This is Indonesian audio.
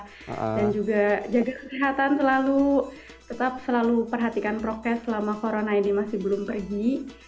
dan juga jaga kesehatan selalu tetap selalu perhatikan prokes selama corona ini masih belum pergi